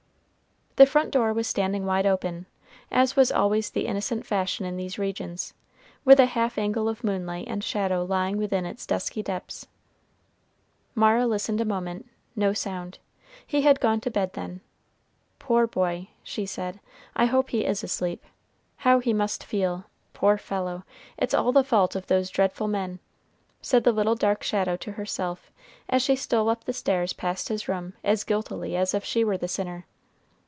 The front door was standing wide open, as was always the innocent fashion in these regions, with a half angle of moonlight and shadow lying within its dusky depths. Mara listened a moment, no sound: he had gone to bed then. "Poor boy," she said, "I hope he is asleep; how he must feel, poor fellow! It's all the fault of those dreadful men!" said the little dark shadow to herself, as she stole up the stairs past his room as guiltily as if she were the sinner.